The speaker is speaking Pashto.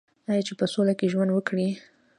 آیا چې په سوله کې ژوند وکړي؟